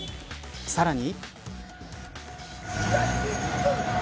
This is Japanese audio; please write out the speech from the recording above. さらに。